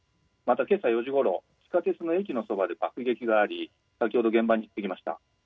また、けさ４時ごろ地下鉄の駅のそばで爆撃があり先ほど現場に行ってきました。